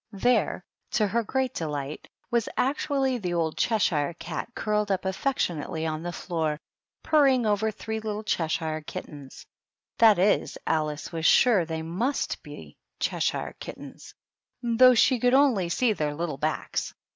There, to her great delight, was actually the old Cheshire cat curled up affectionately on the floor, purring over three little Cheshire kittens ; that is, Alice was sure they must be Cheshire kittens, though she could only see their little backs.